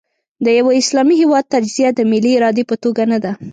د یوه اسلامي هېواد تجزیه د ملي ارادې په توګه نه ده.